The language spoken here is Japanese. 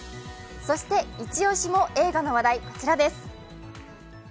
そして一押しも映画の話題、こちらです。